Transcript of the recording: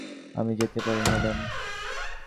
আমি যেতে পারি, ম্যাডাম?